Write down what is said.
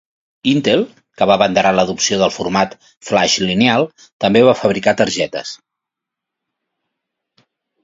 Intel, que va abanderar l'adopció del format Flaix Lineal, també va fabricar targetes.